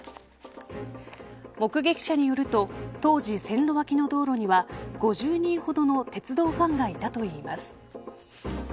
目撃者によると当時、線路脇の道路には５０人ほどの鉄道ファンがいたといいます。